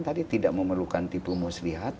tadi tidak memerlukan tipu muslihat